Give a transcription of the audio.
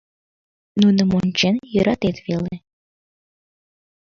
Нуным ончен йӧратет веле.